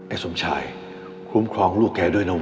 ไอ้สมชายคุ้มครองลูกแกด้วยนะเว้ย